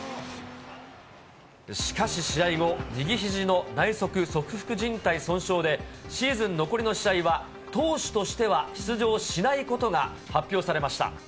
しかし試合後、右ひじの内側側副じん帯損傷で、シーズン残りの試合は、投手としては出場しないことが発表されました。